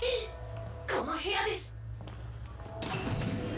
この部屋です！